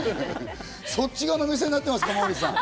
そっち側の目線になってますか。